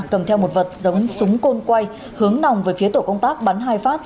cầm theo một vật giống súng côn quay hướng nòng về phía tổ công tác bắn hai phát